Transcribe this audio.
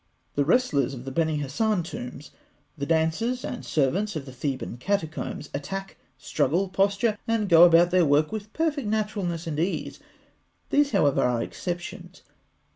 The wrestlers of the Beni Hasan tombs, the dancers and servants of the Theban catacombs, attack, struggle, posture, and go about their work with perfect naturalness and ease (fig. 166). These, however, are exceptions.